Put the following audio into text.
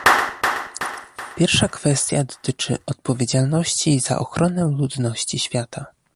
Pierwsza kwestia dotyczy "odpowiedzialności za ochronę ludności świata"